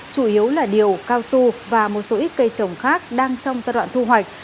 chủ yếu là điều cao su và một số ít cây trồng khác đang trong giai đoạn thu hoạch